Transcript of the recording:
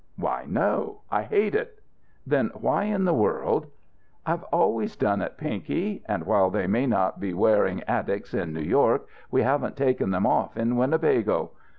"Why, no. I hate it." "Then why in the world " "I've always done it, Pinky. And while they may not be wearing attics in New York, we haven't taken them off in Winnebago.